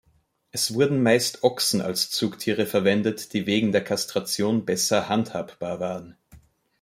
Es wurden meist Ochsen als Zugtiere verwendet, die wegen der Kastration besser handhabbar waren.